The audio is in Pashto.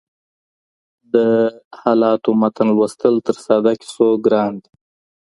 د حالاتو متن لوستل تر ساده کيسو ګران دي.